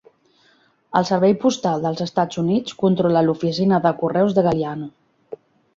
El servei postal dels Estats Units controla l'oficina de correus de Galliano.